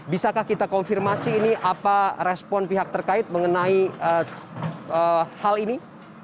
bisakah kita konfirmasi ini apa respon pihak terkait mengenai hal ini